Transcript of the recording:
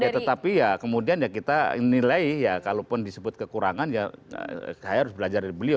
ya tetapi ya kemudian ya kita nilai ya kalaupun disebut kekurangan ya saya harus belajar dari beliau